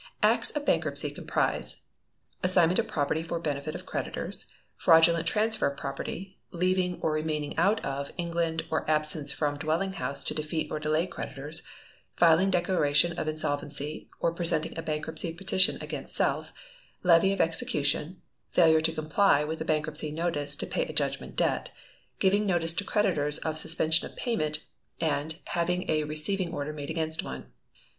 "Acts of Bankruptcy" comprise: Assignment of property for benefit of creditors; fraudulent transfer of property; leaving, or remaining out of, England, or absence from dwelling house to defeat or delay creditors; filing declaration of insolvency or presenting a bankruptcy petition against self; levy of execution; failure to comply with a bankruptcy notice to pay a judgment debt; giving notice to creditors of suspension of payment; and having a receiving order made against one.